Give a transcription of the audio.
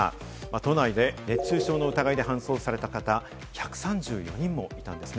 都内で熱中症の疑いで搬送された方、１３４人もいたんです。